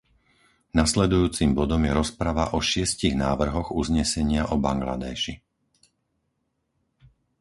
Nasledujúcim bodom je rozprava o šiestich návrhoch uznesenia o Bangladéši.